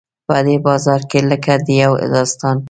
په دې بازار کې لکه د یو داستان.